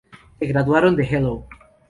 Se graduaron de Hello!